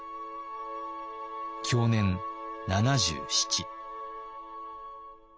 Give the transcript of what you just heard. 享年７７。